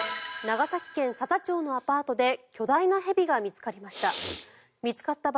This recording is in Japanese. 長崎県佐々町のアパートで巨大な蛇が見つかりました。